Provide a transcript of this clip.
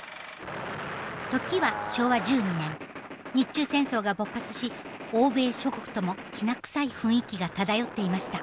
時は昭和１２年日中戦争が勃発し欧米諸国ともきな臭い雰囲気が漂っていました。